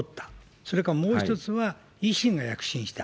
それからもう一つは、維新が躍進した。